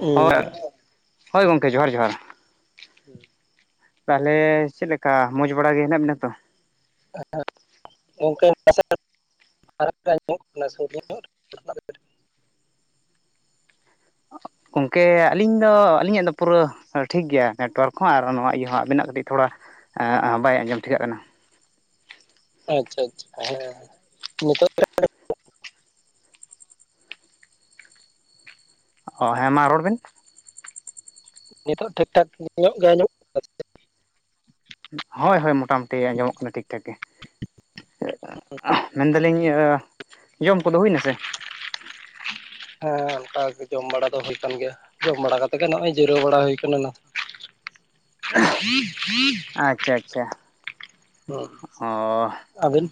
ᱦᱩᱸ ᱦᱳᱭ ᱟᱨᱠᱤ ᱦᱳᱭ ᱜᱚᱝᱠᱮ ᱡᱚᱦᱟᱨ ᱡᱚᱦᱟᱨ ᱾ [inaudible] ᱛᱟᱞᱦᱮ ᱪᱮᱫ ᱞᱮᱠᱟ ᱢᱚᱡᱽ ᱵᱟᱲᱟ ᱜᱮ ᱦᱮᱱᱟᱜ ᱵᱮᱱᱟ ᱛᱚ? [unintelligible] ᱜᱚᱢᱠᱮ ᱟᱹᱞᱤᱧ ᱫᱚ ᱟᱹᱞᱤᱧᱟᱜ ᱫᱚ ᱯᱩᱨᱟᱹ ᱾ ᱴᱷᱤᱠ ᱜᱮᱭᱟ ᱱᱮᱴᱚᱣᱟᱨᱠ ᱦᱚᱸ ᱟᱨ ᱱᱚᱣᱟ ᱤᱭᱟᱹ ᱦᱚᱸ ᱟᱵᱤᱱᱟᱜ ᱠᱟᱹᱴᱤᱡ ᱛᱷᱚᱲᱟ ᱵᱟᱭ ᱟᱸᱡᱚᱢ ᱴᱷᱤᱠᱟᱜ ᱠᱟᱱᱟ ᱟᱪᱪᱷᱟ ᱟᱪᱪᱷᱟ ᱦᱮᱸ ᱱᱤᱛᱚᱜ ᱚ ᱦᱮᱸ ᱢᱟ ᱨᱚᱲ ᱵᱮᱱ ᱱᱤᱛᱚᱜ ᱴᱷᱤᱠ ᱴᱷᱟᱠ ᱧᱚᱜ ᱜᱮ ᱟᱧᱡᱚᱢ [inaudible] ᱦᱳᱭ ᱦᱳᱭ ᱢᱚᱴᱟᱢᱩᱴᱤ ᱟᱸᱡᱚᱢᱚᱜ ᱠᱟᱱᱟ ᱴᱷᱤᱠ ᱴᱷᱟᱠ ᱜᱮ ᱾ ᱦ ᱢᱮᱱᱫᱟᱞᱤᱧ ᱡᱚᱢ ᱠᱚᱫᱚ ᱦᱩᱭᱱᱟ ᱥᱮ? ᱦᱮᱸ ᱚᱱᱠᱟ ᱜᱮ ᱡᱚᱢ ᱵᱟᱲᱟ ᱫᱚ ᱦᱳᱭ ᱠᱟᱱ ᱜᱮᱭᱟ ᱡᱚᱢ ᱵᱟᱲᱟ ᱠᱟᱛᱮ ᱜᱮ ᱱᱚᱜᱼᱚᱭ ᱡᱤᱨᱟᱹᱣ ᱵᱟᱲᱟ ᱦᱩᱭ ᱠᱟᱱᱟ ᱾ [unintelligible] ᱟᱪᱪᱷᱟ ᱟᱪᱪᱷᱟ [unintelligible] ᱟᱹᱵᱤᱱ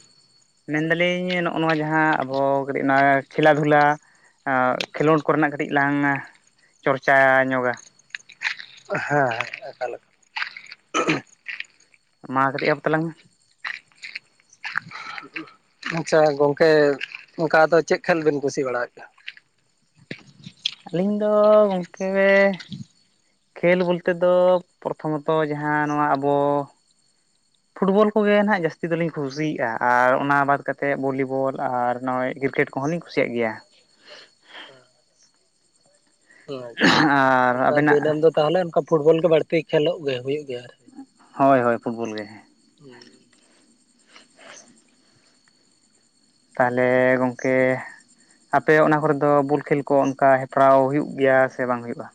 ᱢᱮᱱ ᱫᱟᱹᱞᱤᱧ ᱱᱚᱜᱼᱚ ᱱᱚᱣᱟ ᱡᱟᱦᱟᱸ ᱟᱵᱚ ᱠᱟᱹᱴᱤᱡ ᱠᱷᱮᱞᱟ ᱫᱷᱩᱞᱟᱹ ᱚ ᱠᱷᱮᱞᱳᱰ ᱠᱚᱨᱮᱱᱟᱜ ᱠᱟᱹᱴᱤᱡ ᱞᱟᱝ ᱪᱚᱨᱪᱟ ᱧᱚᱜ-ᱟ ᱦᱮᱸ ᱦᱮᱸ ᱮᱠᱟᱞ ᱢᱟ ᱠᱟᱹᱴᱤᱡ ᱮᱦᱚᱯ ᱛᱞᱟᱝ ᱢᱮ ᱟᱪᱪᱷᱟ ᱜᱚᱝᱠᱮ ᱚᱝᱠᱟ ᱫᱚ ᱪᱮᱫ ᱠᱷᱟᱱ ᱵᱤᱱ ᱠᱩᱥᱤ ᱵᱟᱲᱟ ᱟᱜ ᱜᱮᱭᱟ ᱟᱹᱞᱤᱧ ᱫᱚ ᱜᱚᱝᱠᱮ ᱠᱷᱮᱞ ᱵᱚᱞᱛᱮ ᱫᱚ ᱯᱨᱚᱛᱷᱚ ᱢᱚᱛᱚ ᱡᱟᱦᱟᱸ ᱱᱚᱣᱟ ᱟᱵᱚ ᱯᱷᱩᱴᱵᱚᱞ ᱠᱚᱜᱮ ᱡᱟᱹᱥᱛᱤ ᱫᱚᱞᱤᱧ ᱠᱩᱥᱤᱭᱟᱜᱼᱟ ᱟᱨ ᱚᱱᱟ ᱵᱟᱫ ᱠᱟᱛᱮᱫ ᱵᱷᱚᱞᱤ ᱵᱚᱞ ᱟᱨ ᱱᱚᱜᱼᱚᱭ ᱠᱨᱤᱠᱮᱴ ᱠᱚᱦᱚᱸᱞᱤᱧ ᱠᱩᱥᱤᱭᱟᱜ ᱜᱮᱭᱟ ᱟᱪᱪᱷᱟ ᱟᱨ ᱚᱱᱠᱟ ᱟᱵᱮᱱᱟᱜ ᱫᱤᱱᱟᱹᱢ ᱫᱚ ᱛᱟᱦᱚᱞᱮ ᱚᱱᱠᱟ ᱯᱷᱩᱴᱵᱚᱞ ᱜᱮ ᱵᱟᱹᱲᱛᱤ ᱠᱷᱮᱞᱳᱜ ᱜᱮ ᱦᱩᱭᱩᱜ ᱜᱮᱭᱟ ᱟᱨ ᱦᱳᱭ ᱦᱳᱭ ᱯᱷᱩᱴᱵᱚᱞ ᱜᱮ ᱩᱸ ᱛᱟᱦᱞᱮ ᱜᱚᱝᱠᱮ ᱟᱯᱮ ᱚᱱᱟ ᱠᱚᱨᱮ ᱫᱚ ᱵᱚᱞ ᱠᱷᱮᱞ ᱠᱚ ᱚᱱᱠᱟ ᱦᱮᱯᱨᱟᱣ ᱦᱩᱭᱩᱜ ᱜᱮᱭᱟ ᱥᱮ ᱵᱟᱝ ᱦᱩᱭᱩᱜᱼᱟ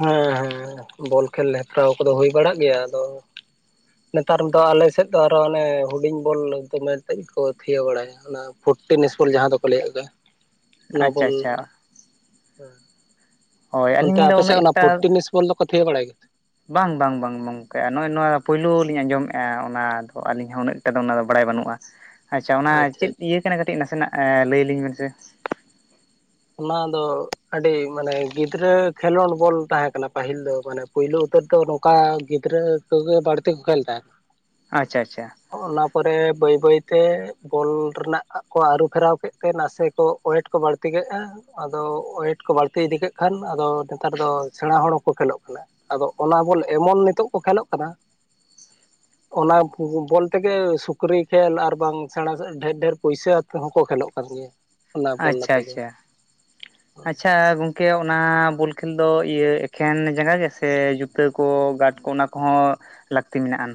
ᱦᱮᱸ ᱦᱮᱸ ᱵᱚᱞ ᱠᱷᱮᱞ ᱦᱮᱯᱨᱟᱣ ᱠᱚᱫᱚ ᱦᱩᱭ ᱵᱟᱲᱟᱜ ᱜᱮᱭᱟ ᱟᱫᱚ ᱱᱮᱛᱟᱨ ᱫᱚ ᱟᱞᱮ ᱥᱮᱫ ᱫᱚ ᱟᱨᱦᱚᱸ ᱚᱱᱮ ᱦᱩᱰᱤᱧ ᱵᱚᱞ ᱢᱮᱱᱛᱮᱫ ᱠᱚ ᱛᱷᱤᱭᱟᱹ ᱵᱟᱲᱟᱭᱟ ᱚᱱᱟ ᱯᱷᱩᱴ ᱴᱤᱥ ᱡᱟᱦᱟᱸ ᱫᱚᱠᱚ ᱞᱟᱹᱭ ᱚᱱᱟ ᱟᱪᱪᱷᱟ ᱵᱚᱞ ᱟᱪᱪᱷᱟ ᱦᱳᱭ ᱟᱹᱞᱤᱧ ᱫᱚ ᱩᱱᱟᱹᱜ ᱟᱪᱪᱷᱟ ᱚᱱᱟ ᱮᱠᱴᱟ ᱯᱷᱳᱴᱤ ᱱᱤᱥ ᱵᱚᱞ ᱫᱚᱠᱚ ᱛᱷᱤᱭᱟᱹ ᱵᱟᱲᱟᱭ ᱜᱮᱭᱟ ᱵᱟᱝ ᱵᱟᱝ ᱵᱟᱝ ᱜᱚᱝᱠᱮ ᱱᱚᱜᱼᱚᱭ ᱱᱚᱣᱟ ᱯᱩᱭᱞᱩ ᱞᱤᱧ ᱟᱸᱡᱚᱢ ᱮᱜᱼᱟ ᱚᱱᱟ ᱫᱚ ᱟᱹᱞᱤᱧ ᱦᱚᱸ ᱩᱱᱟᱹᱜ ᱴᱟ ᱫᱚ ᱚᱱᱟ ᱫᱚ ᱵᱟᱲᱟᱭ ᱵᱟᱹᱱᱩᱜᱼᱟ ᱟᱪᱪᱷᱟ ᱚᱱᱟ ᱪᱮᱫ ᱤᱭᱟᱹ ᱠᱟᱱᱟ ᱠᱟᱹᱴᱤᱡ ᱱᱟᱥᱮᱱᱟᱜ ᱞᱟᱹᱭ ᱟᱞᱤᱧ ᱵᱮᱱ ᱥᱮ ᱚᱱᱟ ᱫᱚ ᱟᱹᱰᱤ ᱢᱟᱱᱮ ᱜᱤᱫᱽᱨᱟᱹ ᱠᱷᱮᱞᱳᱱ ᱵᱚᱞ ᱛᱟᱦᱮᱸ ᱠᱟᱱᱟ ᱯᱟᱹᱦᱤᱞ ᱫᱚ ᱢᱟᱱᱮ ᱯᱳᱭᱞᱳ ᱩᱛᱟᱹᱨ ᱫᱚ ᱱᱚᱝᱠᱟ ᱜᱤᱫᱽᱨᱟᱹ ᱚᱲᱠ ᱜᱮ ᱵᱟᱹᱲᱛᱤ ᱠᱚ ᱠᱷᱮᱞ ᱛᱟᱦᱮᱫ ᱟᱪᱪᱷᱟ ᱟᱪᱪᱷᱟ ᱚᱱᱟ ᱯᱚᱨᱮ ᱵᱟᱹᱭ ᱵᱟᱹᱭ ᱛᱮ ᱵᱚᱞ ᱨᱮᱱᱟᱜ ᱠᱚ ᱟᱹᱨᱩ ᱯᱷᱮᱨᱟᱣ ᱠᱮᱫ ᱛᱮ ᱱᱟᱥᱮ ᱠᱚ ᱚᱳᱭᱮᱴ ᱠᱚ ᱵᱟᱹᱲᱛᱤ ᱠᱮ ᱟᱫᱚ ᱳᱭᱮᱴ ᱠᱚ ᱵᱟᱹᱲᱛᱤ ᱤᱫᱤ ᱠᱮᱫ ᱠᱷᱟᱱ ᱟᱫᱚ ᱱᱮᱛᱟᱨ ᱫᱚ ᱥᱮᱬᱟ ᱦᱚᱲ ᱦᱚᱸᱠᱚ ᱠᱷᱮᱞᱳᱜ ᱠᱟᱱᱟ ᱟᱫᱚ ᱚᱱᱟ ᱵᱚᱞ ᱮᱢᱚᱱ ᱱᱤᱛᱚᱜ ᱠᱚ ᱠᱷᱮᱞᱳᱜ ᱠᱟᱱᱟ [unintelligible] ᱚᱱᱟ ᱵᱚᱞ ᱛᱮᱜᱮ ᱥᱩᱠᱨᱤ ᱠᱷᱹᱮᱞ ᱟᱨ ᱵᱟᱝ ᱥᱮᱬᱟ ᱰᱷᱮᱨ ᱰᱷᱮᱨ ᱯᱩᱭᱥᱟᱹ ᱛᱮᱦᱚ ᱠᱚ ᱠᱷᱮᱞᱚᱜ ᱠᱟᱱᱟ [inaudible] ᱚᱱᱟ ᱵᱚᱞ ᱟᱪᱪᱷᱟ ᱟᱛᱮ ᱜᱮ ᱟᱪᱪᱷᱟ ᱟᱪᱪᱷᱟ ᱜᱚᱝᱠᱮ ᱚᱱᱟ ᱵᱚᱞ ᱠᱷᱮᱞ ᱫᱚ ᱤᱭᱟᱹ ᱮᱠᱷᱮᱱ ᱡᱟᱸᱜᱟ ᱜᱮ ᱥᱮ ᱡᱩᱛᱟᱹ ᱠᱚ ᱜᱟᱨᱰ ᱠᱚ ᱚᱱᱟ ᱠᱚᱦᱚᱸ ᱞᱟᱹᱠᱛᱤ ᱢᱮᱱᱟᱜ ᱟᱱ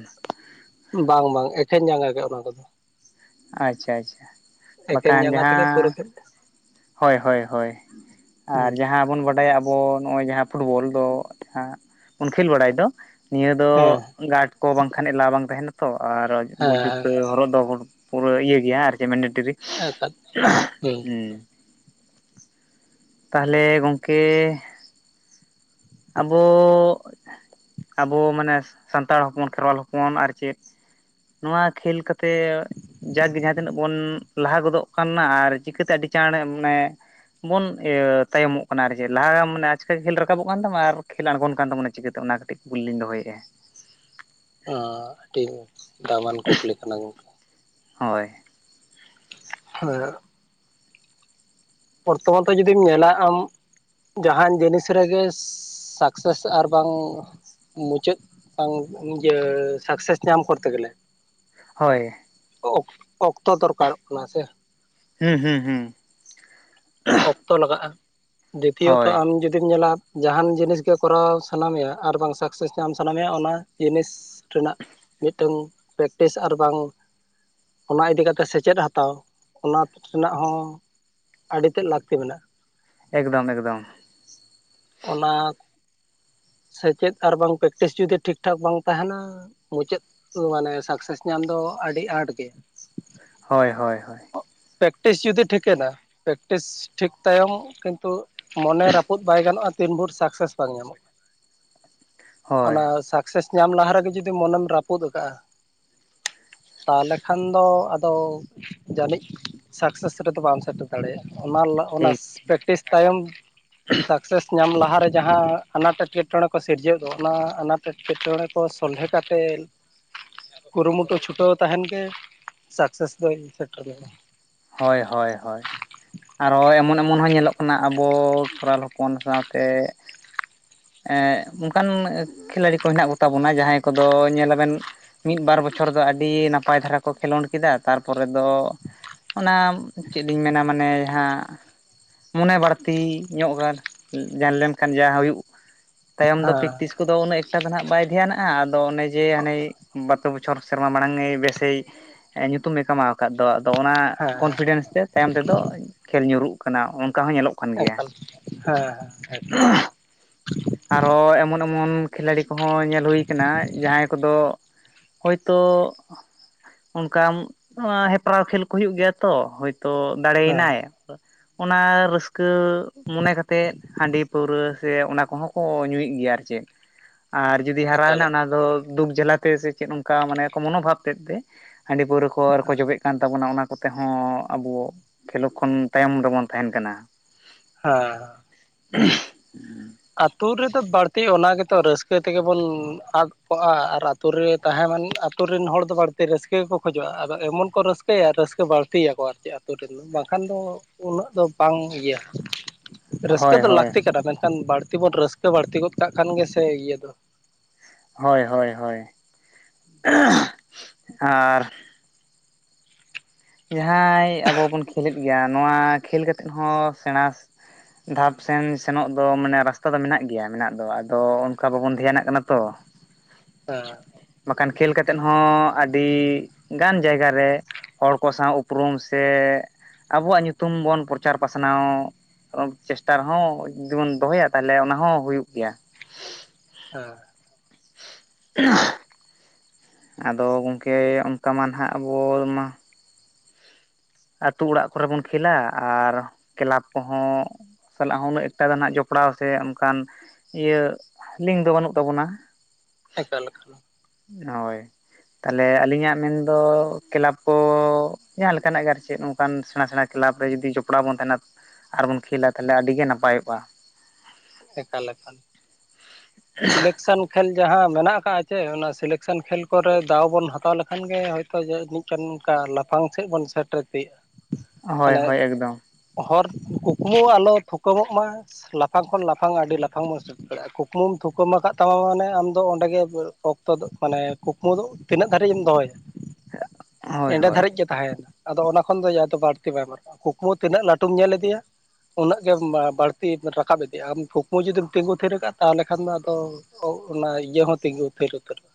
ᱵᱟᱝ ᱵᱟᱝ ᱮᱠᱷᱮᱱ ᱡᱟᱸᱜᱟ ᱜᱮ ᱚᱱᱟ ᱠᱚᱫᱚ ᱟᱪᱪᱷᱟ ᱟᱪᱪᱷᱟ ᱮᱠᱷᱮᱱ ᱵᱟᱠᱷᱟᱱ ᱡᱟᱸᱜᱟ ᱛᱮᱜᱮ ᱯᱩᱨᱟᱹ ᱡᱟᱦᱟᱸ ᱠᱷᱮᱞ ᱦᱳᱭ ᱦᱳᱭ ᱦᱳᱭ ᱦᱩᱸ ᱟᱨ ᱡᱟᱦᱟᱸ ᱵᱚᱱ ᱵᱟᱰᱟᱭᱟ ᱟᱵᱚ ᱱᱚᱜᱼᱚᱭ ᱡᱟᱦᱟᱸ ᱯᱷᱩᱴᱵᱚᱞ ᱫᱚ ᱟᱜ ᱵᱚᱱ ᱠᱷᱮᱞ ᱵᱟᱲᱟᱭ ᱫᱚ ᱱᱤᱭᱟᱹ ᱫᱚ ᱦᱮᱸ ᱜᱟᱰ ᱠᱚ ᱵᱟᱝ ᱠᱷᱟᱱ ᱮᱞᱟᱣ ᱵᱟᱝ ᱛᱟᱦᱮᱱᱟ ᱛᱚ ᱟᱨ ᱦᱮᱸ ᱡᱩᱛᱟᱹ ᱦᱚᱨᱚᱜ ᱫᱚ ᱯᱩᱨᱟᱹ ᱤᱭᱟᱹ ᱜᱮᱭᱟ ᱟᱨ ᱢᱮᱱᱰᱮᱴᱟᱨᱤ ᱦᱮᱸ ᱮᱠᱟᱞ [unintelligible] ᱦᱮᱸ ᱦᱩᱸ ᱛᱟᱦᱞᱮ ᱜᱚᱝᱠᱮ ᱟᱵᱚ ᱟᱵᱚ ᱢᱟᱱᱮ ᱥᱟᱱᱛᱟᱲ ᱦᱚᱯᱚᱱ ᱠᱷᱮᱨᱣᱟᱞ ᱦᱚᱯᱚᱱ ᱟᱨ ᱪᱮᱫ ᱱᱚᱣᱟ ᱠᱷᱮᱞ ᱛᱮ ᱡᱟᱸᱠ ᱜᱮ ᱡᱟᱦᱟᱸ ᱛᱤᱱᱟᱹᱜ ᱵᱚᱱ ᱞᱟᱦᱟ ᱜᱚᱫᱚᱜ ᱠᱟᱱᱟ ᱟᱨ ᱪᱤᱠᱟᱹᱛᱮ ᱟᱹᱰᱤ ᱪᱟᱬ ᱢᱟᱱᱮ ᱵᱚᱱ ᱤᱭᱟᱹ ᱛᱟᱭᱚᱢᱚᱜ ᱠᱟᱱᱟ ᱟᱨ ᱪᱮᱫ ᱞᱟᱦᱟ ᱢᱟᱱᱮ ᱟᱪᱠᱟ ᱜᱮ ᱠᱷᱮᱞ ᱨᱟᱠᱟᱵᱚᱜ ᱠᱟᱱ ᱛᱟᱢᱟ ᱟᱨ ᱠᱷᱮᱞ ᱟᱬᱜᱳᱱ ᱠᱟᱱ ᱛᱟᱵᱚᱱᱟ ᱪᱤᱠᱟᱹ ᱛᱮ ᱚᱱᱟ ᱠᱟᱹᱴᱤᱡ ᱠᱩᱞᱤ ᱞᱤᱧ ᱫᱚᱦᱚᱭᱮᱫᱼᱟ ᱟ ᱴᱤᱠ ᱫᱟᱢᱟᱱ ᱠᱩᱠᱞᱤ ᱠᱟᱱᱟ ᱜᱚᱢᱠᱮ ᱦᱳᱭ [unintelligible] ᱵᱚᱨᱛᱷᱚᱢᱟᱱ ᱨᱮ ᱡᱩᱫᱤᱢ ᱧᱮᱞᱟ ᱟᱢ ᱡᱟᱦᱟᱸᱱ ᱡᱤᱱᱤᱥ ᱨᱮᱜᱮ ᱥᱟᱠᱥᱮᱥ ᱟᱨᱵᱟᱝ ᱢᱩᱪᱟᱹᱫ ᱵᱟᱝ ᱤᱭᱟᱹ ᱥᱟᱠᱥᱮᱥ ᱧᱟᱢ ᱠᱚᱨ ᱛᱮ ᱜᱮᱞᱮ ᱦᱳᱭ ᱚᱠᱛᱚ ᱫᱚᱨᱠᱟᱨᱚᱜ ᱠᱟᱱᱟ ᱥᱮ ᱦᱩᱸ ᱦᱩᱸ ᱦᱩᱸ ᱚᱠᱛᱚ ᱞᱟᱜᱟᱜ-ᱟ ᱫᱤᱛᱤᱭᱚᱛᱚ ᱦᱳᱭ ᱟᱢ ᱡᱩᱫᱤᱢ ᱧᱮᱞᱟ ᱡᱟᱦᱟᱸᱱ ᱡᱤᱱᱤᱥ ᱜᱮ ᱠᱚᱨᱟᱣ ᱥᱟᱱᱟ ᱢᱮᱭᱟ ᱟᱨ ᱵᱟᱝ ᱥᱟᱠᱥᱮᱥ ᱧᱟᱢ ᱥᱟᱱᱟ ᱢᱮᱭᱟ ᱚᱱᱟ ᱡᱤᱱᱤᱥ ᱨᱮᱱᱟᱜ ᱢᱤᱫᱴᱟᱝ ᱯᱨᱮᱠᱴᱤᱥ ᱟᱨ ᱵᱟᱝ ᱚᱱᱟ ᱤᱫᱤ ᱠᱟᱛᱮ ᱥᱮᱪᱮᱫ ᱦᱟᱛᱟᱣ ᱚᱱᱟ ᱨᱮᱱᱟᱜ ᱦᱚᱸ ᱪᱮᱫ ᱞᱟᱹᱠᱛᱤ ᱢᱮᱱᱟᱜ-ᱟ ᱮᱠᱫᱚᱢ ᱮᱠᱫᱚᱢ ᱚᱱᱟ ᱥᱮᱪᱮᱫ ᱟᱨ ᱵᱟᱝ ᱯᱨᱮᱠᱴᱤᱥ ᱡᱩᱫᱤ ᱴᱷᱤᱠ ᱴᱷᱟᱠ ᱵᱟᱝ ᱛᱟᱦᱮᱸᱱᱟ ᱢᱩᱪᱟᱹᱫ ᱢᱟᱱᱮ ᱥᱟᱠᱥᱮᱥ ᱧᱟᱢ ᱫᱚ ᱟᱹᱰᱤ ᱟᱸᱴ ᱜᱮᱭᱟ ᱦᱳᱭ ᱦᱳᱭ ᱦᱳᱭ ᱯᱮᱠᱴᱤᱥ ᱡᱩᱫᱤ ᱴᱷᱤᱠᱮᱱᱟ ᱯᱮᱠᱴᱤᱥ ᱴᱷᱤᱠ ᱛᱟᱭᱚᱢ ᱠᱤᱱᱛᱩ ᱢᱚᱱᱮ ᱨᱟᱹᱯᱩᱫ ᱵᱟᱭ ᱜᱟᱱᱚᱜ-ᱟ ᱛᱤᱱ ᱵᱷᱳᱨ ᱥᱟᱠᱥᱮᱥ ᱵᱟᱝ ᱧᱟᱢᱚᱜ-ᱟ ᱦᱳᱭ ᱚᱱᱟ ᱥᱟᱠᱥᱮᱥ ᱧᱟᱢ ᱞᱟᱦᱟ ᱨᱮᱜᱮ ᱡᱩᱫᱤ ᱢᱚᱱᱮᱢ ᱨᱟᱹᱩᱫ ᱟᱠᱟᱫ-ᱟ ᱛᱟᱦᱚᱞᱮ ᱠᱷᱟᱱ ᱫᱚ ᱟᱫᱚ ᱡᱟᱹᱱᱤᱡ ᱥᱟᱠᱥᱮᱥ ᱨᱮᱫᱚ ᱵᱟᱢ ᱥᱮᱴᱮᱨ-ᱟ ᱫᱟᱲᱮᱭᱟᱜ-ᱟ ᱚᱱᱟ ᱚᱱᱟ ᱴᱷᱤᱠ ᱴᱷᱤᱠ ᱯᱨᱮᱠᱴᱤᱥ ᱛᱟᱭᱚᱢ ᱥᱟᱠᱥᱮᱥ ᱧᱟᱢ ᱞᱟᱦᱟᱨᱮ ᱡᱟᱦᱟᱸ ᱟᱱᱟᱴ ᱮᱴᱠᱮᱴᱚᱸᱬᱮ ᱠᱚ ᱥᱤᱨᱡᱟᱹᱣ ᱫᱚ ᱚᱱᱟ ᱟᱱᱟᱴ ᱮᱴᱠᱮᱴᱚᱸᱬᱮ ᱠᱚ ᱥᱚᱞᱦᱮ ᱠᱟᱛᱮ ᱠᱩᱨᱩᱢᱩᱴᱩ ᱪᱷᱩᱴᱟᱹᱣ ᱛᱟᱦᱮᱸᱱ ᱜᱮ ᱥᱟᱠᱥᱮᱥ ᱫᱚᱭ ᱥᱮᱴᱮᱨ ᱢᱮᱱᱟ ᱦᱳᱭ ᱦᱳᱭ ᱦᱳᱭ ᱟᱨᱦᱚᱸ ᱮᱢᱚᱱ ᱮᱢᱚᱱ ᱦᱚᱸ ᱧᱮᱞᱚᱜ ᱠᱟᱱᱟ ᱟᱵᱚ ᱠᱷᱮᱨᱟᱞ ᱦᱚᱯᱚᱱ ᱦᱚᱯᱚᱱ ᱥᱟᱶᱛᱮ ᱚᱱᱠᱟᱱ ᱠᱷᱤᱞᱟᱲᱤ ᱠᱚ ᱦᱮᱱᱟᱜ ᱠᱚᱛᱟ ᱵᱚᱱᱟ ᱡᱟᱦᱟᱸᱭ ᱠᱚᱫᱚ ᱧᱮᱞ ᱟᱵᱮᱱ ᱢᱤᱫ ᱵᱟᱨ ᱵᱚᱪᱷᱚᱨ ᱫᱚ ᱟᱹᱰᱤ ᱱᱟᱯᱟᱭ ᱫᱷᱟᱨᱟ ᱠᱚ ᱠᱷᱮᱸᱞᱳᱰ ᱠᱮᱫᱟ ᱛᱟᱨᱯᱚᱨᱮ ᱫᱚ ᱚᱱᱟ ᱪᱮᱫ ᱤᱧ ᱢᱮᱱᱟ ᱢᱟᱱᱮ ᱡᱟᱦᱟᱸ ᱢᱚᱱᱮ ᱵᱟᱹᱲᱛᱤ ᱧᱚᱜ ᱜᱟᱱ ᱡᱟᱱ ᱞᱮᱱᱠᱷᱟᱱ ᱡᱟ ᱦᱩᱭᱩᱜ ᱛᱟᱭᱚᱢ ᱫᱚ ᱦᱮᱸ ᱯᱮᱠᱴᱤᱥ ᱠᱚᱫᱚ ᱩᱱᱟᱹᱜ ᱮᱠᱴᱟ ᱫᱚ ᱦᱜ ᱵᱟᱭ ᱫᱷᱮᱱᱟᱜ-ᱟ ᱟᱫᱚ ᱚᱱᱮ ᱡᱮ ᱦᱟᱱᱮ ᱵᱟᱨ ᱯᱮ ᱵᱚᱪᱷᱚᱨ ᱥᱮᱨᱢᱟ ᱢᱟᱲᱟᱝ ᱮ ᱵᱮᱥᱮ ᱧᱩᱛᱩᱢᱮ ᱠᱟᱢᱟᱳ ᱟᱠᱟᱫ ᱫᱚ ᱟᱫᱚ ᱚᱱᱟ ᱦᱮᱸ ᱠᱚᱱᱯᱷᱤᱰᱮᱱᱥ ᱛᱮ ᱛᱟᱭᱚᱢ ᱛᱮᱫᱚ ᱠᱷᱮᱞ ᱧᱩᱨᱩᱜ ᱠᱟᱱᱟ ᱚᱱᱠᱟ ᱦᱚᱸ ᱧᱮᱞᱚᱜ ᱠᱟᱱᱟ ᱮᱠᱟᱞ ᱦᱮᱸ ᱦᱮᱸ ᱮᱠᱟᱞ ᱟᱨᱦᱚᱸ ᱮᱢᱚᱱ ᱮᱢᱚᱱ ᱠᱷᱤᱞᱟᱲᱤ ᱠᱚᱦᱚᱸ ᱧᱮᱞ ᱦᱩᱭ ᱠᱟᱱᱟ ᱡᱟᱦᱟᱸᱭ ᱠᱚᱫᱚ ᱦᱳᱭᱛᱚ ᱚᱱᱠᱟ ᱦᱮᱯᱨᱟᱣ ᱠᱷᱮᱞ ᱠᱚ ᱦᱩᱭᱩᱜ ᱜᱮᱭᱟ ᱛᱚ ᱦᱳᱭᱛᱚ ᱦᱮᱸ ᱫᱟᱲᱮᱭᱮᱱᱟᱭ ᱚᱱᱟ ᱨᱟᱹᱥᱠᱟᱹ ᱢᱚᱱᱮ ᱠᱟᱛᱮᱫ ᱦᱟᱸᱰᱤ ᱯᱟᱹᱣᱨᱟᱹ ᱥᱮ ᱚᱱᱟ ᱠᱚᱦᱚᱸ ᱠᱚ ᱧᱩᱭᱮᱫ ᱜᱮᱭᱟ ᱟᱨ ᱪᱮᱫ ᱟᱨ ᱡᱩᱫᱤ ᱦᱟᱨᱟᱣᱮᱱᱟ ᱮᱠᱟᱞ ᱚᱱᱟ ᱫᱚ ᱫᱩᱠ ᱡᱷᱟᱮᱞᱟᱛᱮ ᱥᱮ ᱪᱮᱫ ᱚᱱᱠᱟ ᱢᱟᱱᱮ ᱢᱚᱱᱳᱵᱷᱟᱵ ᱛᱮᱫ ᱛᱮ ᱦᱟᱸᱰᱤ ᱯᱟᱹᱣᱨᱟᱹ ᱠᱚ ᱟᱨᱠᱚ ᱦᱮᱸ ᱡᱚᱵᱮᱜ ᱠᱟᱱ ᱛᱟᱵᱚᱱᱟ ᱚᱱᱟ ᱠᱚᱛᱮ ᱦᱚᱸ ᱟᱵᱚ ᱠᱷᱮᱞᱳ ᱠᱷᱚᱱ ᱛᱟᱭᱚᱢ ᱨᱮᱵᱚᱱ ᱛᱟᱦᱮᱸᱱ ᱠᱟᱱᱟ ᱦᱚᱸ ᱦᱚᱸ ᱦ [unintelligible] ᱮᱸ ᱟᱹᱛᱩ ᱨᱮᱫᱚ ᱵᱟᱹᱲᱛᱤ ᱚᱱᱟ ᱜᱮᱛᱚ ᱨᱟᱹᱥᱠᱟᱹ ᱛᱮᱜᱮ ᱵᱚᱱ ᱟᱫ ᱠᱚᱜ-ᱟ ᱟᱨ ᱟᱛᱩᱨ ᱨᱮ ᱛᱟᱦᱮᱸᱢᱟᱱ ᱟᱛᱩᱨ ᱨᱮᱱ ᱦᱚᱲ ᱫᱚ ᱵᱟᱹᱲᱛᱤ ᱨᱟᱹᱥᱠᱟᱹ ᱜᱮᱠᱚ ᱠᱷᱚᱡᱚᱜ-ᱟ ᱟᱫᱚ ᱮᱢᱚᱱ ᱠᱚ ᱨᱟᱹᱥᱠᱟᱹᱭᱟ ᱨᱟᱹᱥᱠᱟᱹ ᱵᱟᱹᱲᱛᱤᱭᱟᱠᱚ ᱟᱨ ᱪᱮᱫ ᱟᱹᱛᱳ ᱴᱮᱱ ᱫᱚ ᱵᱟᱝᱠᱷᱟᱱ ᱫᱚ ᱩᱱᱟᱹᱜ ᱫᱚ ᱵᱟᱝ ᱤᱭᱟ ᱨᱟᱹᱥᱠᱟᱹ ᱦᱳᱭ ᱫᱚ ᱦᱳᱭ ᱞᱟᱹᱠᱛᱤ ᱠᱟᱱᱟ ᱢᱮᱱᱠᱷᱟᱱ ᱵᱟᱹᱲᱛᱤ ᱵᱚᱱ ᱨᱟᱹᱥᱠᱟᱹ ᱵᱟᱹᱲᱛᱤ ᱜᱚᱫ ᱠᱟᱜ ᱠᱷᱟᱱ ᱜᱮ ᱥᱮ ᱤᱭᱟᱹ ᱫᱚ ᱦᱳᱭ ᱦᱳᱭ ᱦᱳᱭ ᱟᱨ ᱡᱟᱦᱟᱸᱭ ᱟᱵᱚ ᱵᱚᱱ ᱠᱷᱮᱞᱮᱫ ᱜᱮᱭᱟ ᱱᱚᱣᱟ ᱠᱷᱮᱞ ᱠᱟᱛᱮᱜ ᱦᱚᱸ ᱥᱮᱸᱬᱟ ᱫᱷᱟᱯ ᱥᱮᱱ ᱥᱮᱱᱚᱜ ᱫᱚ ᱢᱟᱱᱮ ᱨᱟᱥᱛᱟ ᱫᱚ ᱢᱮᱱᱟᱜ ᱜᱮᱭᱟ ᱢᱮᱱᱟᱜ ᱫᱚ ᱟᱫᱚ ᱚᱱᱠᱟ ᱵᱟᱵᱚᱱ ᱫᱷᱮᱭᱟᱱᱟᱜ ᱠᱟᱱᱟ ᱛᱚ ᱦᱮᱸ ᱦ [inaudible] ᱵᱟᱠᱷᱟᱱ ᱠᱷᱮᱹᱞ ᱠᱟᱛᱮ ᱦᱚᱸ ᱟᱹᱰᱤ ᱜᱟᱱ ᱡᱟᱭᱜᱟ ᱨᱮ ᱦᱚᱲ ᱠᱚ ᱥᱟᱶ ᱩᱯᱨᱩᱢ ᱥᱮ, ᱟᱵᱚᱣᱟᱜ ᱧᱩᱛᱩᱢ ᱵᱚᱱ ᱯᱨᱚᱪᱟᱨ ᱯᱟᱥᱱᱟᱣ ᱪᱮᱥᱴᱟ ᱨᱮᱦᱚᱸ ᱡᱩᱫᱤ ᱵᱚᱱ ᱫᱚᱦᱚᱭᱟ, ᱛᱟᱦᱚᱞᱮ ᱚᱱᱟ ᱦᱚᱸ ᱦᱩᱭᱩᱜ ᱜᱮᱭᱟ ᱾ ᱦᱮᱸ ᱾ ᱦᱮ [unintelligible] ᱟᱫᱚ ᱜᱚᱝᱠᱮ ᱚᱱᱠᱟ ᱢᱟ ᱱᱟᱦᱜ ᱟᱵᱚ ᱢᱟ ᱟᱹᱛᱩ ᱚᱲᱟᱜ ᱠᱚᱨᱮ ᱵᱩᱱ ᱠᱷᱮᱞᱟ ᱟᱨ ᱠᱮᱞᱟᱵᱽ ᱠᱚᱦᱚᱸ ᱥᱟᱞᱟᱜ ᱦᱚᱸ ᱩᱱᱟᱹᱜ ᱮᱠᱴᱟ ᱫᱚ ᱱᱟᱦᱜ ᱡᱚᱯᱲᱟᱣ ᱥᱮ ᱚᱱᱠᱟᱱ ᱤᱭᱟᱹ ᱞᱤᱝᱠ ᱫᱚ ᱵᱟᱹᱱᱩᱜ ᱛᱟᱵᱚᱱᱟ ᱾ ᱮᱠᱟᱞ ᱮᱠᱟᱞ ᱾ ᱦᱳᱭ, ᱛᱟᱦᱞᱮ ᱟᱹᱞᱤᱧᱟᱜ ᱢᱮᱱᱫᱚ ᱠᱮᱞᱟᱵᱽ ᱠᱚ ᱡᱟᱦᱟᱸ ᱞᱮᱠᱟᱱᱟᱜ ᱜᱮ ᱟᱨᱠᱤ ᱪᱮᱫ ᱱᱚᱝᱠᱟᱱ ᱥᱮᱬᱟ ᱥᱮᱬᱟ ᱠᱮᱞᱟᱵᱽ ᱨᱮ ᱡᱩᱫᱤ ᱡᱚᱯᱲᱟᱣ ᱵᱚᱱ ᱛᱟᱦᱮᱱᱟ ᱟᱨ ᱵᱚᱱ ᱠᱷᱮᱞᱟ ᱛᱟᱦᱚᱞᱮ ᱟᱹᱰᱤ ᱜᱮ ᱱᱟᱯᱟᱭᱚᱜᱼᱟ ᱾ ᱮᱠᱟᱞ ᱮᱠᱟᱞ ᱾ ᱥᱤᱞᱮᱠ ᱟᱭᱥᱮᱞ ᱠᱷᱮᱞ ᱡᱟᱦᱟᱸ ᱢᱮᱱᱟᱜ ᱟᱠᱟᱫᱼᱟ ᱪᱮ, ᱚᱱᱟ ᱥᱤᱞᱮᱠᱥᱮᱱ ᱠᱷᱮᱞ ᱠᱚᱨᱮ ᱫᱟᱣ ᱵᱚᱱ ᱦᱟᱛᱟᱣ ᱞᱮᱠᱷᱟᱱ ᱜᱮ ᱦᱚᱭᱛᱳ ᱚᱱᱠᱟ ᱞᱟᱯᱷᱟᱝ ᱥᱮᱫ ᱵᱚᱱ ᱥᱮᱴᱮᱨ ᱛᱜᱼᱟ ᱾ ᱦᱳᱭ ᱦᱳᱭ ᱾ ᱮᱠᱫᱚᱢ ᱾ ᱦᱚᱨ ᱠᱩᱠᱢᱩ ᱟᱞᱚ ᱛᱷᱩᱠᱢᱚᱜ ᱢᱟ ᱞᱟᱯᱷᱟᱝ ᱠᱷᱚᱱ ᱞᱟᱯᱷᱟᱝ ᱟᱹᱰᱤ ᱞᱟᱯᱷᱟᱝ ᱠᱩᱠᱢᱩᱢ ᱛᱷᱩᱠᱩᱟᱹᱢ ᱟᱠᱟᱫ ᱛᱟᱢᱟ ᱢᱟᱱᱮ ᱟᱢᱫᱚ ᱚᱸᱰᱮ ᱜᱮ ᱚᱠᱛᱚ ᱫᱚ ᱢᱟᱱᱮ ᱠᱩᱠᱢᱩ ᱫᱚ ᱛᱤᱱᱟᱹᱜ ᱫᱷᱟᱹᱨᱤᱡ ᱮᱢ ᱫᱚᱦᱚᱭᱟ, ᱦᱳᱭ ᱮᱸᱰᱮ ᱦᱳᱭ ᱫᱷᱟᱹᱨᱤᱡ ᱜᱮ ᱛᱟᱦᱮᱸᱭᱱᱟ ᱾ ᱟᱫᱚ ᱚᱱᱟ ᱠᱷᱚᱱ ᱫᱚ ᱡᱮ ᱫᱚ ᱵᱟᱹᱲᱛᱤ ᱵᱟᱭ ᱧᱟᱢᱚᱜᱼᱟ ᱠᱩᱠᱢᱩ ᱛᱤᱱᱟᱹᱜ ᱞᱟᱹᱴᱩᱢ ᱧᱮᱞ ᱤᱫᱮᱤᱭᱟ ᱩᱱᱟᱹᱜ ᱜᱮ ᱵᱟᱹᱲᱛᱤ ᱨᱟᱠᱟᱵ ᱤᱫᱤᱜᱼᱟ ᱾ ᱟᱢ ᱠᱩᱠᱢᱩ ᱡᱩᱫᱤᱢ ᱛᱤᱸᱜᱩ ᱛᱷᱤᱨ ᱠᱟᱜᱼᱟ, ᱛᱟᱦᱚᱞᱮ ᱠᱷᱟᱱ ᱫᱚ ᱟᱫᱚ ᱚᱱᱟ ᱤᱭᱟᱹ ᱦᱚᱸ ᱛᱤᱸᱜᱩ ᱛᱷᱤᱨ ᱩᱛᱟᱹᱨᱚᱜᱼᱟ ᱾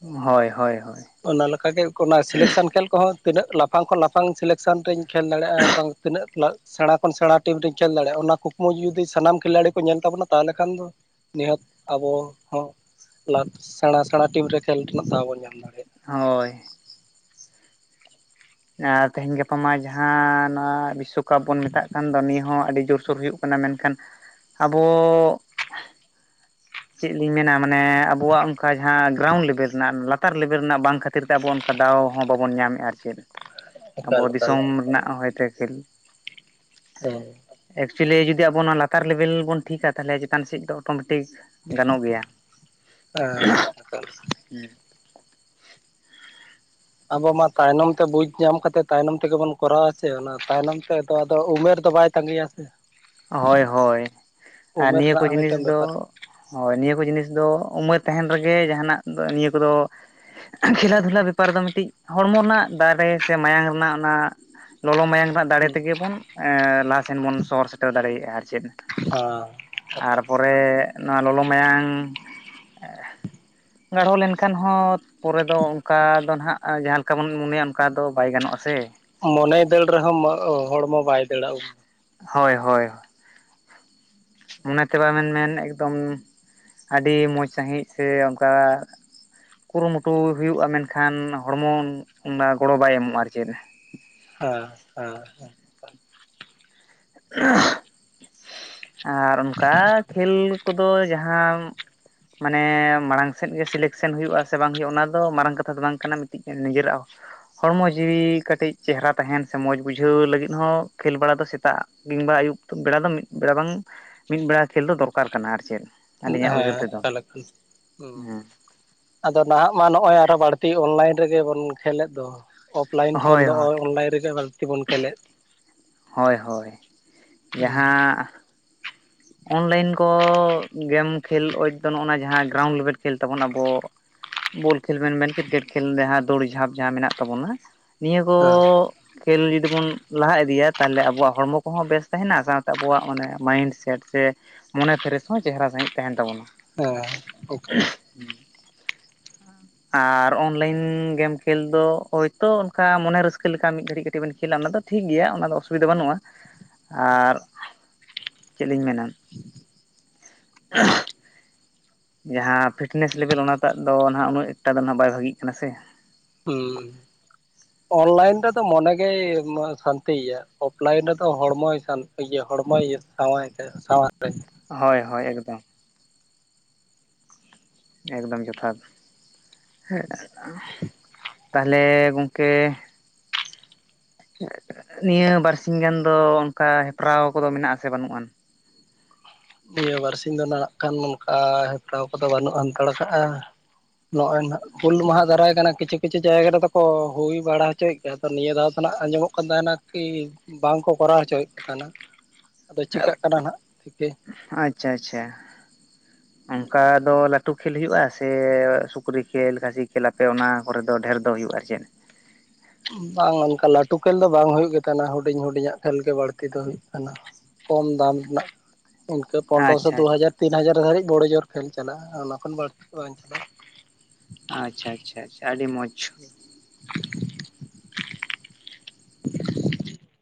ᱦᱳᱭ ᱦᱳᱭ ᱦᱳᱭ ᱾ ᱚᱱᱟᱠᱟᱜᱮ ᱚᱱᱟ ᱥᱤᱞᱮᱠᱥᱮᱱ ᱠᱷᱮᱞ ᱠᱚᱦᱚᱸ ᱛᱤᱱᱟᱹᱜ ᱞᱟᱯᱷᱟᱝ ᱠᱷᱚᱱ ᱞᱟᱯᱷᱟᱝ ᱥᱤᱞᱮᱠᱥᱮᱱ ᱨᱮᱧ ᱠᱷᱮᱞ ᱫᱟᱲᱮᱭᱟᱜᱼᱟ, ᱟᱨ ᱵᱟᱝ ᱛᱤᱱᱟᱹᱜ ᱥᱮᱬᱟ ᱠᱷᱚᱱ ᱥᱮᱬᱟ ᱴᱤᱢ ᱨᱮᱧ ᱠᱷᱮᱞ ᱫᱟᱲᱮᱭᱟᱜᱼᱟ, ᱚᱱᱟ ᱠᱩᱠᱢᱩ ᱡᱩᱫᱤ ᱥᱟᱱᱟᱢ ᱠᱷᱤᱞᱟᱲᱤ ᱠᱚ ᱧᱮᱞ ᱛᱟᱵᱚᱱᱟ ᱾ ᱛᱟᱦᱚᱞᱮ ᱠᱷᱟᱱ ᱫᱚ ᱱᱤᱦᱟᱹᱛ ᱟᱵᱚ ᱦᱚᱸ ᱞᱟᱵᱽ, ᱚᱱᱟ ᱥᱮᱬᱟ ᱥᱮᱬᱟ ᱴᱤᱢ ᱨᱮ ᱠᱷᱮᱞ ᱨᱮᱱᱟᱜ ᱫᱟᱣ ᱵᱚᱱ ᱧᱟᱢ ᱫᱟᱲᱮᱭᱟᱜᱼᱟ ᱾ ᱦᱳᱭ ᱾ ᱛᱮᱦᱮᱧ ᱜᱟᱯᱟ ᱢᱟ ᱡᱟᱦᱟᱸ ᱱᱚᱣᱟ ᱵᱤᱥᱥᱚ ᱠᱟᱯ ᱵᱚᱱ ᱢᱮᱛᱟᱜ ᱠᱟᱱ ᱫᱚ ᱱᱤᱭᱟᱹ ᱦᱚᱸ ᱟᱹᱰᱤ ᱡᱳᱨᱥᱳᱨ ᱦᱩᱭᱩᱜ ᱠᱟᱱᱟ, ᱢᱮᱱᱠᱷᱟᱱ ᱟᱵᱚ ᱪᱮᱫ ᱞᱤᱧ ᱢᱮᱱᱟ ᱢᱟᱱᱮ ᱟᱵᱚᱣᱟᱜ ᱚᱱᱠᱟ ᱡᱟᱦᱟᱸ ᱜᱨᱟᱣᱩᱱᱰ ᱞᱮᱵᱮᱞ ᱨᱮᱱᱟᱜ ᱞᱟᱛᱟᱨ ᱞᱮᱵᱮᱞ ᱨᱮᱱᱟᱜ ᱵᱟᱝ ᱠᱷᱟᱹᱛᱤᱨ ᱛᱮ ᱟᱵᱚ ᱚᱱ ᱠᱟ ᱫᱟᱣ ᱦᱚᱸ ᱵᱟᱵᱚᱱ ᱧᱟᱢᱮᱫᱼᱟ ᱟᱨ ᱪᱮᱫ ᱾ ᱟᱵᱚ ᱮᱠᱟᱞ ᱮᱠᱟᱞ ᱫᱤᱥᱚᱢ ᱨᱮᱱᱟᱜ ᱦᱚᱭᱛᱚ ᱠᱷᱮᱞ ᱚ ᱾ ᱮᱠᱪᱩᱭᱮᱞᱤ ᱡᱩᱫᱤ ᱟᱵᱚ ᱱᱚᱣᱟ ᱞᱟᱛᱟᱨ ᱞᱮᱵᱮᱞ ᱵᱚᱱ ᱴᱷᱤᱤᱠᱠᱟ, ᱛᱟᱦᱚᱞᱮ ᱪᱮᱛᱟᱱ ᱥᱮᱫ ᱫᱚ ᱚᱴᱳᱢᱮᱴᱤᱠ ᱜᱟᱱᱚᱜ ᱜᱮᱭᱟ ᱾ ᱠᱷᱤ ᱦᱟ ᱦᱮᱸ ᱦᱩᱸ ᱾ ᱟᱵᱚ ᱢᱟ ᱛᱟᱭᱱᱚᱢ ᱛᱮ ᱵᱩᱡᱽ ᱧᱟᱢ ᱠᱟᱛᱮ ᱛᱟᱭᱱᱚᱢ ᱛᱮᱜᱮ ᱵᱚᱱ ᱠᱚᱨᱟᱣᱟ ᱪᱮ, ᱚᱱᱟ ᱛᱟᱭᱱᱚᱢ ᱛᱮᱫᱚ ᱟᱫᱚ ᱩᱢᱮᱨ ᱫᱚ ᱵᱟᱭ ᱛᱺᱜᱮᱭᱟ ᱥᱮ ᱾ ᱦᱳᱭ ᱦᱳᱭ ᱾ ᱟᱨ ᱩᱢᱮᱨ ᱱᱤᱭᱟᱹ ᱠᱚ ᱨᱮᱱᱟᱜ ᱦᱚᱸ ᱡᱤᱱᱤᱥ ᱢᱤᱫᱴᱮᱱ ᱫᱚ ᱵᱮᱯᱟᱨ ᱦᱳᱭ, ᱱᱤᱭᱟᱹ ᱠᱚ ᱡᱤᱱᱤᱥ ᱫᱚ ᱩᱢᱮᱨ ᱛᱟᱦᱮᱱ ᱨᱮᱜᱮ, ᱡᱟᱦᱟᱱᱟᱜ ᱫᱚ ᱱᱤᱭᱟᱹ ᱠᱚᱫᱚ ᱠᱷᱮᱞᱟ ᱫᱷᱩᱞᱟ ᱵᱮᱯᱟᱨ ᱫᱚ ᱢᱤᱫᱴᱤᱡ ᱦᱚᱲᱢᱚ ᱨᱮᱱᱟᱜ ᱫᱟᱲᱮ ᱥᱮ ᱢᱟᱭᱟᱝ ᱨᱮᱱᱟᱜ ᱚᱱᱟ ᱞᱚᱞᱚ ᱢᱟᱭᱟᱝ ᱨᱮᱱᱟᱜ ᱫᱟᱲᱮ ᱦᱩᱸ ᱛᱮᱜᱮ ᱵᱚᱱ ᱞᱟᱦᱟ ᱥᱮᱱ ᱵᱚᱱ ᱥᱚᱦᱚᱨ ᱥᱮᱴᱮᱨ ᱫᱟᱲᱮᱭᱟᱜᱼᱟ ᱟᱨ ᱪᱮᱫ ᱾ ᱚ ᱥᱟᱯ [unintelligible] ᱛᱟᱨᱯᱚᱨᱮ ᱱᱚᱣᱟ ᱞᱚᱞᱚ ᱢᱟᱭᱟᱝ ᱜᱟᱲᱦᱚ ᱞᱮᱱᱠᱷᱟᱱ ᱦᱚᱸ ᱯᱚᱨᱮ ᱫᱚ ᱚᱱᱠᱟ ᱫᱚ ᱱᱟᱦᱜ ᱡᱟᱦᱟᱸ ᱞᱮᱠᱟ ᱵᱚᱱ ᱢᱚᱱᱮᱭᱟ ᱚᱱᱠᱟ ᱫᱚ ᱵᱟᱭ ᱜᱟᱱᱚᱜᱼᱟ ᱥᱮ ᱾ ᱢᱚᱱᱮᱭ ᱫᱟᱹᱲ ᱨᱮᱦᱚᱸ ᱦᱚᱲᱢᱚ ᱵᱟᱭ ᱫᱟᱹᱲᱟᱜᱼᱟ ᱩᱱᱨᱮ ᱾ ᱦᱳᱭ ᱦᱳᱭ ᱾ ᱚᱱᱟᱛᱮ ᱵᱟᱢ ᱢᱮᱱ ᱢᱮᱱ ᱮᱠᱫᱚᱢ ᱟᱹᱰᱤ ᱢᱚᱡᱽ ᱥᱺᱦᱤᱡ ᱥᱮ ᱚᱱᱠᱟ ᱠᱩᱨᱩᱢᱩᱴᱩᱭ ᱦᱩᱭᱩᱜᱼᱟ, ᱢᱮᱱᱠᱷᱟᱱ ᱦᱚᱲᱢᱚ ᱚᱱᱟ ᱜᱚᱲᱚ ᱵᱟᱭ ᱮᱢᱚᱜᱼᱟ ᱟᱨ ᱪᱮᱫ ᱾ ᱦᱮᱸ ᱦᱮᱸ ᱾ [unintelligible] ᱟᱨ ᱚᱱᱠᱟ ᱠᱷᱮᱞ ᱠᱚᱫᱚ ᱡᱟᱦᱟᱸᱢ ᱢᱟᱱᱮ ᱢᱟᱲᱟᱝ ᱥᱮᱫ ᱜᱮ ᱥᱤᱞᱮᱠᱥᱮᱱ ᱦᱩᱭᱩᱜᱼᱟ ᱥᱮ ᱵᱟᱝ ᱦᱩᱭᱩᱜᱼᱟ ᱚᱱᱟ ᱫᱚ ᱢᱟᱨᱟᱝ ᱠᱟᱛᱷᱟ ᱫᱚ ᱵᱟᱝ ᱠᱟᱱᱟ ᱢᱤᱫᱴᱤᱡ ᱱᱤᱡᱮᱨᱟᱜ ᱦᱚᱸ ᱦᱚᱲᱢᱚ ᱡᱤᱣᱤ ᱠᱟᱹᱴᱤᱡ ᱪᱮᱦᱨᱟ ᱛᱟᱦᱮᱱ ᱥᱮ ᱢᱚᱡᱽ ᱵᱩᱡᱷᱟᱹᱣ ᱞᱟᱹᱜᱤᱫ ᱦᱚᱸ ᱠᱷᱮᱞ ᱵᱟᱲᱟ ᱫᱚ ᱥᱮᱛᱟᱜ ᱢᱤᱝᱵᱟ ᱟᱹᱭᱩᱵ ᱵᱮᱲᱟ ᱫᱚ ᱢᱤᱫ ᱵᱮᱲᱟ ᱵᱟᱝ ᱢᱤᱫ ᱵᱮᱲᱟ ᱠᱷᱮᱞ ᱫᱚ ᱫᱚᱨᱠᱟᱨ ᱠᱟᱱᱟ ᱟᱨ ᱪᱮᱫ ᱟᱹᱞᱤᱧᱟᱜ ᱦᱮᱸ ᱩᱭᱦᱟᱹᱨ ᱛᱮᱫᱚ ᱮᱠᱟᱞ ᱮᱠᱟᱞ ᱦᱩᱸ ᱦᱮᱸ ᱟᱫᱚ ᱱᱟᱦᱟᱜ ᱢᱟ ᱱᱚᱜᱼᱚᱭ ᱟᱨᱚ ᱵᱟᱹᱲᱛᱤ ᱚᱱᱞᱟᱭᱤᱱ ᱨᱮᱜᱮ ᱵᱚᱱ ᱠᱷᱮᱞᱮᱫ ᱫᱚ ᱚᱯᱷᱞᱟᱭᱤᱱ ᱠᱷᱚᱱ ᱦᱳᱭ ᱫᱚ ᱦᱳᱭ ᱚᱱᱞᱟᱭᱤᱱ ᱨᱮᱜᱤ ᱵᱟᱹᱲᱛᱤ ᱵᱚᱱ ᱠᱷᱮᱞᱮᱫ ᱦᱳᱭ ᱦᱳᱭ ᱦᱮᱸ ᱡᱟᱦᱟᱸ ᱚᱱᱞᱟᱭᱤᱱ ᱠᱚ ᱜᱮᱢ ᱠᱷᱮᱞ ᱫᱚ ᱱᱚᱜᱼ ᱱᱚᱣᱟ ᱡᱟᱦᱟᱸ ᱜᱨᱟᱣᱩᱱᱰ ᱞᱮᱵᱮᱞ ᱠᱷᱮᱞ ᱛᱟᱵᱚᱱ ᱟᱵᱚ ᱵᱚᱞ ᱠᱷᱮᱞ ᱢᱮᱱᱠᱮᱫ ᱠᱨᱤᱠᱮᱴ ᱠᱷᱮᱞ ᱡᱟᱦᱟᱸ ᱫᱳᱲᱤ ᱡᱷᱟᱯ ᱡᱟᱦᱟᱸ ᱢᱮᱱᱟᱜ ᱛᱟᱵᱚᱱᱟ ᱱᱤᱭᱟᱹ ᱠᱚ ᱦᱮᱸ ᱠᱷᱮᱞ ᱡᱩᱫᱤ ᱵᱚᱱ ᱞᱟᱦᱟ ᱤᱫᱤᱭᱟ ᱛᱟᱦᱚᱞᱮ ᱟᱵᱚᱣᱟᱜ ᱦᱚᱲᱢᱚ ᱠᱚᱦᱚᱸ ᱵᱮᱥ ᱛᱟᱦᱮᱱᱟ ᱥᱟᱶᱛᱮ ᱟᱵᱚᱣᱟᱜ ᱚᱱᱮ ᱢᱟᱭᱤᱱᱰ ᱥᱮᱴ ᱥᱮ ᱢᱚᱱᱮ ᱯᱷᱮᱨᱮᱥ ᱦᱚᱸ ᱪᱮᱦᱨᱟ ᱥᱺᱦᱤᱡ ᱛᱟᱦᱮᱱ ᱛᱟᱵᱚᱱᱟ ᱦᱮᱸ ᱟᱨ ᱚᱱᱞᱟᱭᱤᱱ ᱜᱮᱢ ᱠᱷᱮᱞ ᱫᱚ ᱦᱳᱭᱛᱳ ᱚᱱᱠᱟ ᱢᱚᱱᱮ ᱨᱟᱹᱥᱠᱟᱹ ᱞᱮᱠᱟ ᱢᱤᱫ ᱜᱷᱟᱹᱲᱤᱡ ᱠᱟᱹᱴᱤᱡ ᱵᱮᱱ ᱠᱷᱮᱞᱟ ᱚᱱᱟ ᱫᱚ ᱴᱷᱤᱠ ᱜᱮᱭᱟ ᱚᱱᱟ ᱫᱚ ᱚᱥᱩᱵᱤᱫᱷᱟ ᱵᱟᱹᱱᱩᱜᱼᱟ ᱟᱨ ᱪᱮᱫᱞᱤᱧ ᱢᱮᱱᱟ ᱡᱟᱦᱟᱸ ᱯᱷᱤᱴᱱᱮᱥ ᱞᱮᱵᱮᱞ ᱚᱱᱟᱴᱟᱜ ᱫᱚ ᱱᱟᱦᱟᱜ ᱩᱱᱟᱹᱜ ᱮᱠᱴᱟ ᱫᱚ ᱱᱟᱜ ᱵᱟᱭ ᱵᱷᱟᱜᱤ ᱠᱟᱱᱟ ᱥᱮ ᱦᱩᱸ ᱚᱱᱞᱟᱭᱤᱱ ᱨᱮᱫᱚ ᱢᱚᱱᱮ ᱜᱮᱭ ᱥᱟᱱᱛᱤᱭᱟ ᱚᱯᱷᱞᱟᱭᱤᱱ ᱨᱮᱫᱚ ᱦᱚᱲᱢᱚᱭ ᱥᱟᱱ ᱤᱭᱟᱹ ᱦᱚᱲᱢᱚ ᱤᱭᱟᱹ ᱥᱟᱶᱟᱭ ᱛᱮ ᱥᱟᱶᱟᱨ ᱨᱮ ᱦᱳᱭ ᱦᱳᱭ ᱮᱠᱫᱚᱢ ᱮᱠᱫᱚᱢ ᱡᱚᱛᱷᱟᱛ ᱦᱮᱸ ᱛᱟᱦᱚᱞᱮ ᱜᱚᱝᱠᱮ ᱱᱤᱭᱟᱹ ᱵᱟᱨᱥᱤ ᱜᱟᱱ ᱫᱚ ᱚᱱᱠᱟ ᱦᱮᱯᱨᱟᱣ ᱠᱚᱫᱚ ᱢᱮᱱᱟᱜ ᱟᱥᱮ ᱵᱟᱹᱱᱩᱜ ᱟᱱ ᱱᱤᱭᱟᱹ ᱵᱟᱨᱥᱤ ᱫᱚ ᱱᱟᱜ ᱠᱷᱟᱱ ᱱᱚᱝᱠᱟ ᱦᱮᱯᱨᱟᱣ ᱠᱚᱫᱚ ᱵᱟᱹᱱᱩᱜ ᱦᱟᱱᱛᱟᱲ ᱠᱟᱜᱼᱟ ᱱᱚᱜᱼᱚᱭ ᱱᱟᱦᱟᱜ ᱦᱩᱞ ᱢᱟᱦᱟ ᱫᱟᱨᱟᱭ ᱠᱟᱱᱟ ᱠᱤᱪᱷᱩ ᱠᱤᱪᱷᱩ ᱡᱟᱭᱜᱟ ᱨᱮᱫᱚ ᱠᱚ ᱦᱩᱭ ᱵᱟᱲᱟ ᱦᱚᱪᱚᱭᱮᱫ ᱜᱮᱭᱟ ᱛᱚ ᱱᱤᱭᱟᱹ ᱫᱷᱟᱣ ᱫᱚ ᱦᱟᱸᱜ ᱟᱸᱡᱚᱢᱚᱜ ᱠᱟᱱ ᱛᱟᱦᱮᱱᱟ ᱠᱤ ᱵᱟᱝᱠᱚ ᱠᱚᱨᱟᱣ ᱦᱚᱪᱚᱭᱮᱫ ᱠᱟᱱᱟ ᱟᱫᱚ ᱪᱤᱠᱟᱹᱜ ᱠᱟᱱᱟ ᱱᱟᱦᱟᱜ ᱟᱪᱪᱷᱟ ᱟᱪᱪᱷᱟ ᱚᱱᱠᱟ ᱫᱚ ᱞᱟᱹᱠ ᱞᱟᱹᱴᱩ ᱠᱷᱮᱞ ᱦᱩᱭᱩᱜᱼᱟ ᱥᱮ ᱥᱩᱠᱨᱤ ᱠᱷᱮᱞ ᱠᱷᱟᱹᱥᱤ ᱠᱷᱮᱞ ᱟᱯᱮ ᱚᱱᱟ ᱠᱚᱨᱮ ᱫᱚ ᱰᱷᱮᱨ ᱫᱚ ᱦᱩᱭᱩᱜᱼᱟ ᱟᱨ ᱪᱮᱫ ᱵᱟᱝ ᱚᱱᱠᱟ ᱞᱟᱹᱴᱩ ᱠᱷᱹᱮᱞ ᱫᱚ ᱵᱟᱝ ᱦᱩᱭᱩᱜ ᱜᱮ ᱛᱟᱦᱮᱱᱟ ᱦᱩᱰᱤᱧ ᱦᱩᱰᱤᱧᱟᱜ ᱠᱷᱮᱞ ᱜᱮ ᱵᱟᱹᱲᱛᱤ ᱫᱚ ᱦᱩᱭᱩᱜ ᱠᱟᱱᱟ ᱠᱚᱢ ᱫᱟᱢ ᱨᱮᱱᱟᱜ ᱚᱱᱠᱟᱹ ᱯᱚᱱᱨᱚ ᱥᱚ ᱟᱪᱪᱷᱟ ᱫᱩ ᱦᱟᱡᱟᱨ ᱛᱤᱱ ᱦᱟᱡᱟᱨ ᱫᱷᱟᱹᱨᱤᱡ ᱵᱳᱲᱳ ᱡᱳᱨ ᱠᱷᱮᱞ ᱪᱟᱞᱟᱜᱼᱟ ᱚᱱᱟ ᱠᱷᱚᱱ ᱵᱟᱹᱲᱛᱤ ᱵᱟᱝ ᱪᱟᱞᱟᱜᱼᱟ ᱟᱪᱪᱷᱟ ᱟᱪᱪᱷᱟ ᱟᱪᱪᱷᱟ ᱟᱹᱰᱤ ᱢᱚᱸᱡᱽ